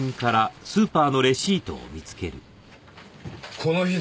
この日付。